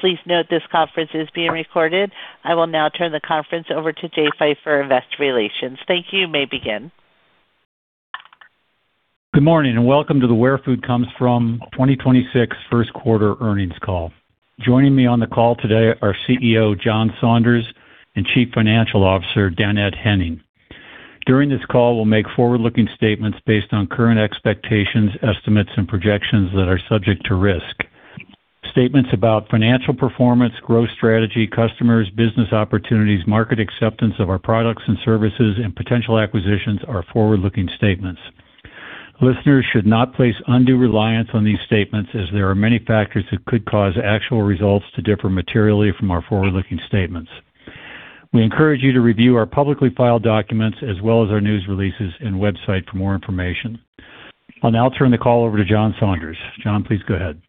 Please note this conference is being recorded. I will now turn the conference over to Jay Pfeiffer, Investor Relations. Thank you. You may begin. Good morning, and welcome to the Where Food Comes From 2026 first quarter earnings call. Joining me on the call today are CEO John Saunders and Chief Financial Officer Dannette Henning. During this call, we'll make forward-looking statements based on current expectations, estimates, and projections that are subject to risk. Statements about financial performance, growth strategy, customers, business opportunities, market acceptance of our products and services, and potential acquisitions are forward-looking statements. Listeners should not place undue reliance on these statements as there are many factors that could cause actual results to differ materially from our forward-looking statements. We encourage you to review our publicly filed documents as well as our news releases and website for more information. I'll now turn the call over to John Saunders. John, please go ahead.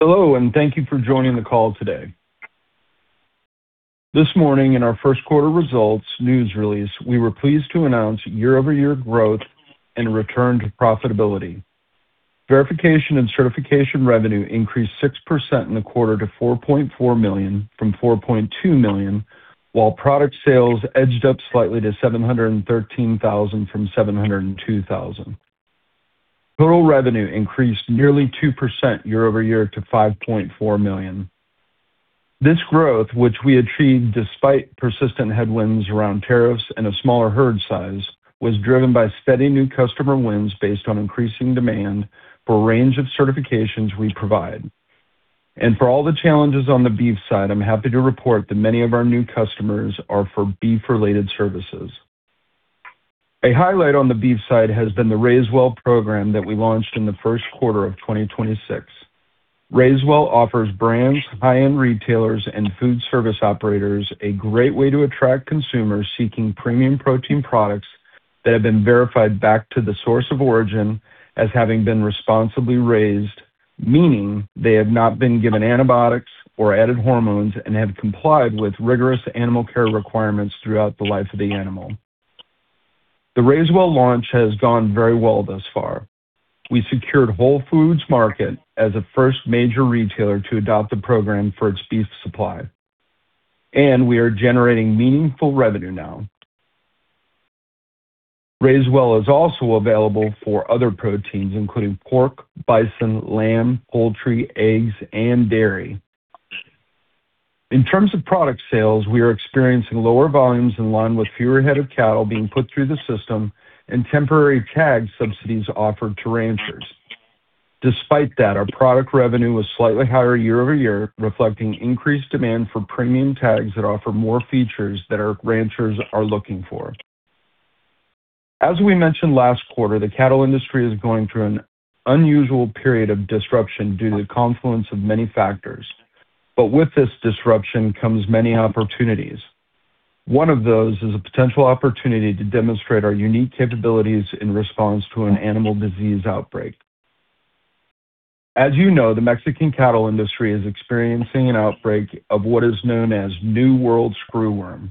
Hello, and thank you for joining the call today. This morning in our first quarter results news release, we were pleased to announce year-over-year growth and return to profitability. Verification and certification revenue increased 6% in the quarter to $4.4 million from $4.2 million, while product sales edged up slightly to $713,000 from $702,000. Total revenue increased nearly 2% year-over-year to $5.4 million. This growth, which we achieved despite persistent headwinds around tariffs and a smaller herd size, was driven by steady new customer wins based on increasing demand for a range of certifications we provide. For all the challenges on the beef side, I'm happy to report that many of our new customers are for beef-related services. A highlight on the beef side has been the RaiseWell program that we launched in the first quarter of 2026. RaiseWell offers brands, high-end retailers, and food service operators a great way to attract consumers seeking premium protein products that have been verified back to the source of origin as having been responsibly raised, meaning they have not been given antibiotics or added hormones and have complied with rigorous animal care requirements throughout the life of the animal. The RaiseWell launch has gone very well thus far. We secured Whole Foods Market as a first major retailer to adopt the program for its beef supply, and we are generating meaningful revenue now. RaiseWell is also available for other proteins, including pork, bison, lamb, poultry, eggs, and dairy. In terms of product sales, we are experiencing lower volumes in line with fewer head of cattle being put through the system and temporary tag subsidies offered to ranchers. Despite that, our product revenue was slightly higher year-over-year, reflecting increased demand for premium tags that offer more features that our ranchers are looking for. As we mentioned last quarter, the cattle industry is going through an unusual period of disruption due to the confluence of many factors. With this disruption comes many opportunities. One of those is a potential opportunity to demonstrate our unique capabilities in response to an animal disease outbreak. As you know, the Mexican cattle industry is experiencing an outbreak of what is known as New World screwworm.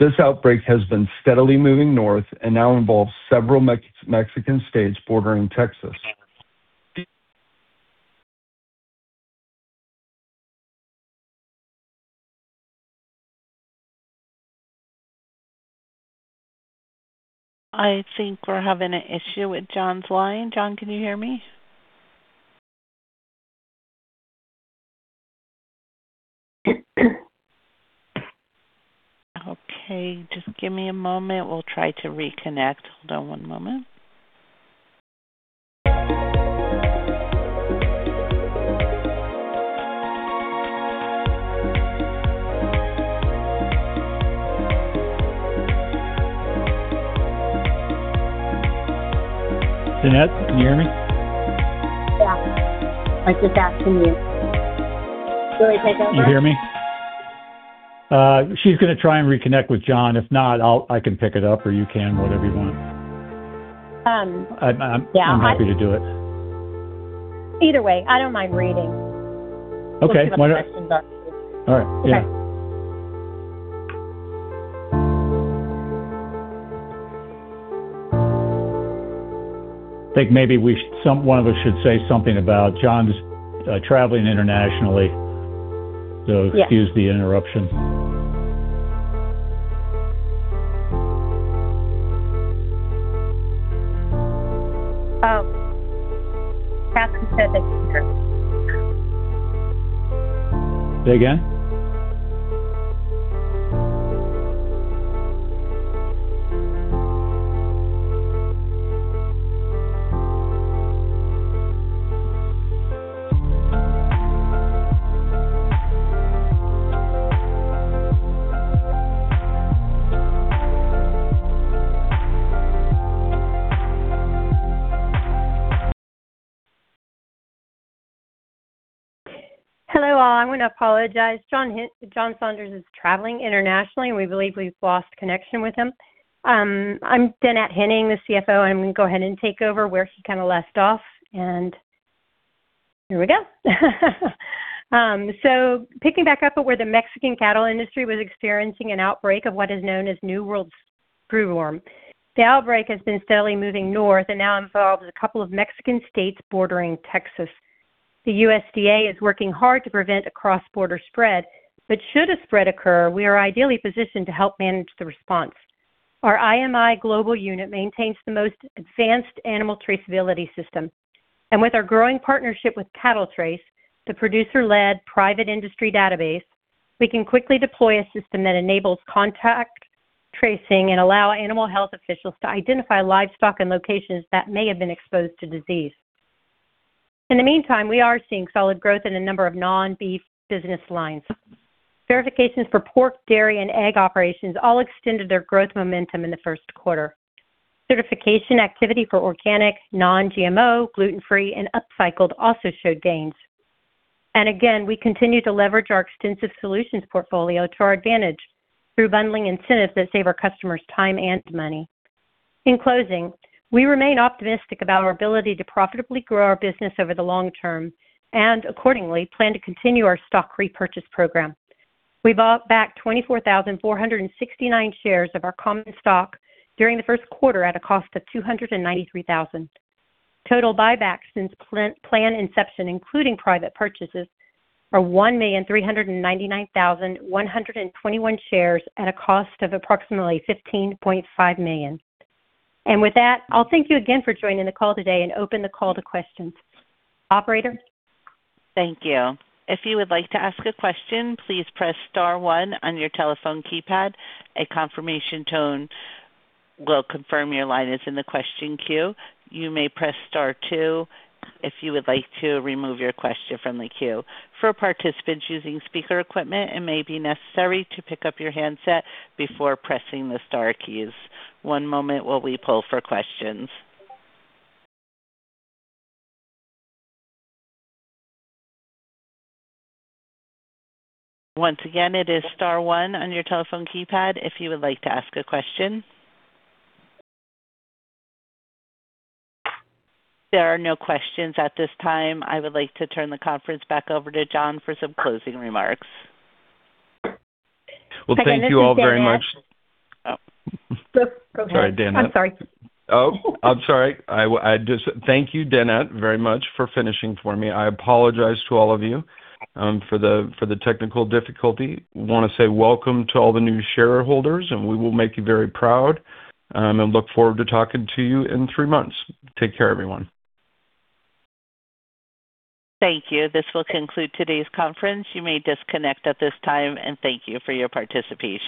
This outbreak has been steadily moving north and now involves several Mexican states bordering Texas. I think we're having an issue with John's line. John, can you hear me? Okay, just give me a moment. We'll try to reconnect. Hold on one moment. Dannette, can you hear me? I just asked him. Should we take over? You hear me? She's gonna try and reconnect with John. If not, I can pick it up or you can, whatever you want. Yeah. I'm happy to do it. Either way. I don't mind reading. Okay. All right. Yeah. I think maybe one of us should say something about John's traveling internationally. Yeah. Excuse the interruption. Say again? Hello, all. I'm gonna apologize. John Saunders is traveling internationally, and we believe we've lost connection with him. I'm Dannette Henning, the CFO. I'm gonna go ahead and take over where he kinda left off. Here we go. Picking back up at where the Mexican cattle industry was experiencing an outbreak of what is known as New World screwworm. The outbreak has been steadily moving north and now involves a couple of Mexican states bordering Texas. The USDA is working hard to prevent a cross-border spread, but should a spread occur, we are ideally positioned to help manage the response. Our IMI Global unit maintains the most advanced animal traceability system. With our growing partnership with CattleTrace, the producer-led private industry database, we can quickly deploy a system that enables contact tracing and allow animal health officials to identify livestock and locations that may have been exposed to disease. In the meantime, we are seeing solid growth in a number of non-beef business lines. Verifications for pork, dairy, and egg operations all extended their growth momentum in the first quarter. Certification activity for organic, non-GMO, gluten-free, and upcycled also showed gains. Again, we continue to leverage our extensive solutions portfolio to our advantage through bundling incentives that save our customers time and money. In closing, we remain optimistic about our ability to profitably grow our business over the long term and accordingly plan to continue our stock repurchase program. We bought back 24,469 shares of our common stock during the first quarter at a cost of $293,000. Total buybacks since plan inception, including private purchases, are 1,399,121 shares at a cost of approximately $15.5 million. With that, I'll thank you again for joining the call today and open the call to questions. Operator? Thank you. If you would like to ask a question, please press star one on your telephone keypad. A confirmation tone will confirm your line is in the question queue. You may press star two if you would like to remove question from the queue. For participants using speaker equipment, it may be necessary to pick up your handset before pressing the star keys. One moment while we pull for questions. Once again it is star one on your telephone keypad if you would like to ask a question. There are no questions at this time. I would like to turn the conference back over to John for some closing remarks. Hi, this is Dannette. Well, thank you all very much. Oh. Go, go ahead. Sorry, Dannette. I'm sorry. Oh, I'm sorry. Thank you, Dannette, very much for finishing for me. I apologize to all of you for the technical difficulty. Wanna say welcome to all the new shareholders, and we will make you very proud, and look forward to talking to you in three months. Take care, everyone. Thank you. This will conclude today's conference. You may disconnect at this time, and thank you for your participation.